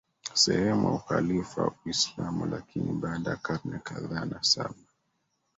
sehemu ya ukhalifa wa Uislamu lakini baada ya karne kadhaa nasaba